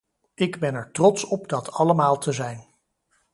Ik ben er trots op dat allemaal te zijn.